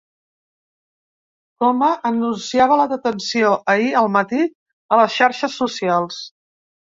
Coma anunciava la detenció ahir al matí a les xarxes socials.